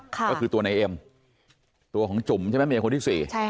ก็คือตัวในเอ็มตัวของจุ๋มใช่ไหมเมียคนที่๔